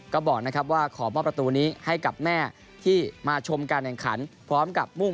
ถ้าผมมีโอกาสเข้ามาในทีมชาติก็ควรทำหน้าที่สุดยังไงดี